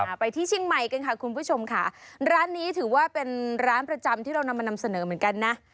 ไปที่เชียงใหม่กันค่ะคุณผู้ชมค่ะร้านนี้ถือว่าเป็นร้านประจำที่เรานำมานำเสนอเหมือนกันนะ